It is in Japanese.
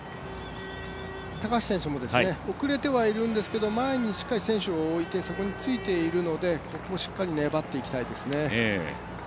高橋選手も遅れてはいるんですが前に選手を置いてそこについているので、ここしっかり粘っていきたいですね。